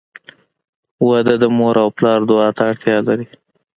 • واده د مور او پلار دعا ته اړتیا لري.